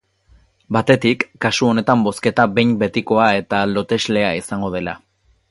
Batetik, kasu honetan bozketa behin betikoa eta loteslea izango dela.